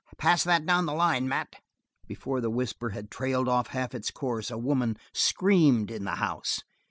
Pass that down the line, Mat." Before the whisper had trailed out half its course, a woman screamed in the house.